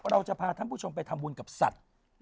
เราจะพาท่านผู้ชมไปทำบุญกับสัตว์